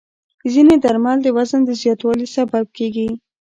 ځینې درمل د وزن د زیاتوالي سبب کېږي.